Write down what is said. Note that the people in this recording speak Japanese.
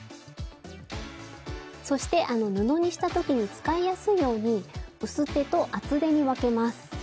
そして布にした時に使いやすいように薄手と厚手に分けます。